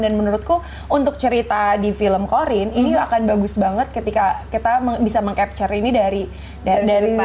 dan menurutku untuk cerita di film corin ini akan bagus banget ketika kita bisa meng capture ini dari sudut pandang